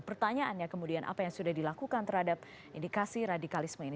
pertanyaannya kemudian apa yang sudah dilakukan terhadap indikasi radikalisme ini